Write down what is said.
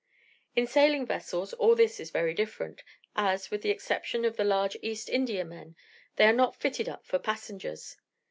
In sailing vessels all this is very different, as, with the exception of the large East Indiamen, they are not fitted up for passengers.